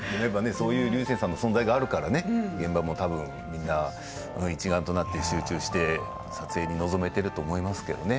そういう竜星さんの存在がいるから現場も一丸となって集中して撮影に臨めていると思いますけどね。